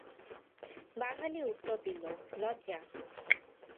বাঙালি উত্তর দিল, লজ্জা!